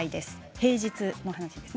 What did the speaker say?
平日の話です。